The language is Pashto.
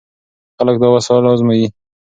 خلک دا وسایل ازمويي.